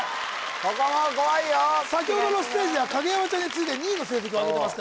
ここも怖いよ先ほどのステージでは影山ちゃんに続いて２位の成績をあげてます